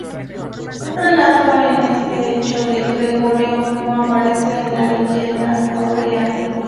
Un relato de este hecho de Gregorio I aparece en la "Leyenda Áurea.